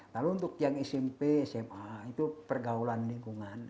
lalu untuk yang smp sma itu pergaulan lingkungan